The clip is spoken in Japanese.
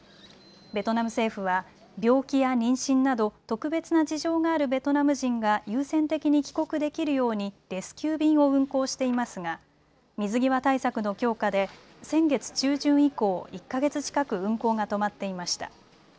ベトナム政府は病気や妊娠など特別な事情があるベトナム人が優先的に帰国できるようにレスキュー便を運航していますが水際対策の強化で先月中旬以降、１か月近く運航が止まっていました。